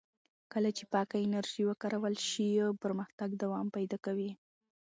کله چې پاکه انرژي وکارول شي، پرمختګ دوام پیدا کوي.